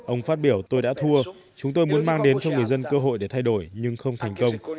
ông phát biểu tôi đã thua chúng tôi muốn mang đến cho người dân cơ hội để thay đổi nhưng không thành công